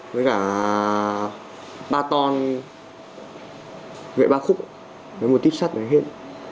với cả ba ton vệ ba khúc với một tiếp sát này hết